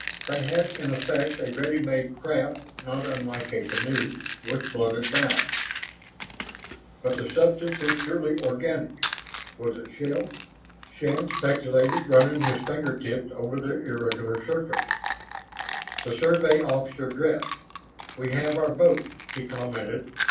They had, in effect, a ready made craft not unlike a canoe with blunted bows. But the substance was surely organic: Was it shell? Shann speculated, running his finger tips over the irregular surface. The Survey officer dressed. "We have our boat," he commented.